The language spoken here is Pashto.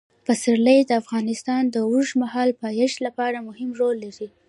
پسرلی د افغانستان د اوږدمهاله پایښت لپاره مهم رول لري.